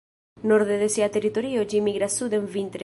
Norde de sia teritorio ĝi migras suden vintre.